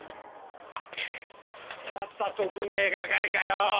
くぅまた特命係かよ。